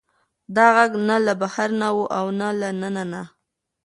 دا غږ نه له بهر نه و او نه له دننه نه.